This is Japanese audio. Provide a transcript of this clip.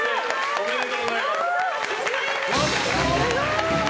おめでとうございます。